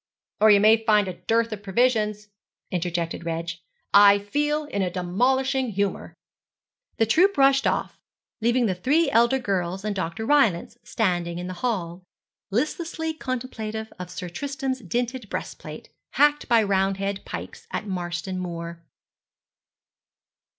'Or you may find a dearth of provisions,' interjected Reg. 'I feel in a demolishing humour.' The troop rushed off, leaving the three elder girls and Dr. Rylance standing in the hall, listlessly contemplative of Sir Tristram's dinted breast plate, hacked by Roundhead pikes at Marston Moor.